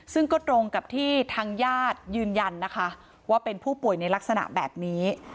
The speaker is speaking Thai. ซึ่งก็ตรงกับที่ทางญาติยืนยันนะคะว่าเป็นผู้ป่วยในลักษณะแบบนี้